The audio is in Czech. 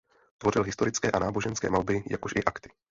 Tvořil historické a náboženské malby jakož i akty.